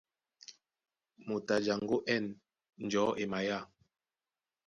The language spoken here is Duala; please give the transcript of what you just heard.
Moto a jaŋgó á ɛ̂n njɔ̌ e maya.